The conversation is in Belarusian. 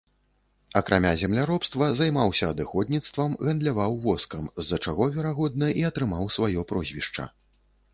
Акрамя земляробства займаўся адыходніцтвам, гандляваў воскам, з-за чаго, верагодна, і атрымаў сваё прозвішча.